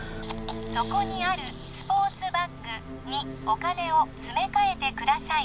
そこにあるスポーツバッグにお金を詰め替えてください